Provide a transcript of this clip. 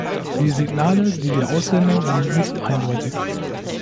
Die Signale, die wir aussenden, sind nicht eindeutig.